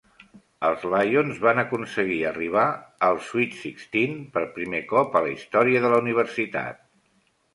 Els Lions va aconseguir arribar als "Sweet Sixteen" per primer cop a la història de la universitat.